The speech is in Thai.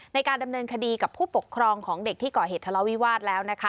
ในการดำเนินคดีกับผู้ปกครองของเด็กที่ก่อเหตุทะเลาวิวาสแล้วนะคะ